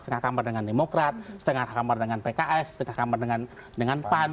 setengah kamar dengan demokrat setengah kamar dengan pks setengah kamar dengan pan